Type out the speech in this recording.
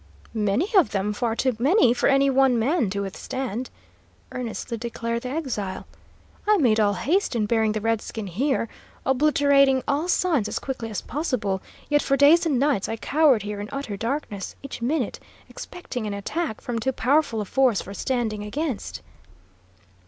"Many of them; far too many for any one man to withstand," earnestly declared the exile. "I made all haste in bearing the redskin here, obliterating all signs as quickly as possible; yet for days and nights I cowered here in utter darkness, each minute expecting an attack from too powerful a force for standing against."